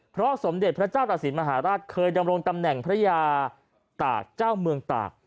เพราะสมเด็จพระเจ้าตสินมหาราชเคยดำรงตำแหน่งพระยาตากเจ้าเมืองตาก